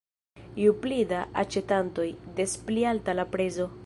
Ju pli da aĉetantoj, des pli alta la prezo.